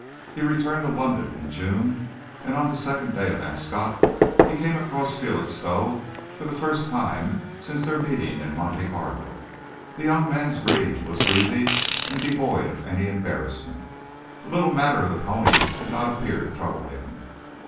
He returned to London in June, and on the second day of Ascot he came across Felixstowe, for the first time since their meeting in Monte Carlo. The young man's greeting was breezy and devoid of any embarrassment. The little matter of the pony did not appear to trouble him.